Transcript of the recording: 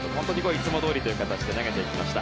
いつもどおりという形で投げていきました。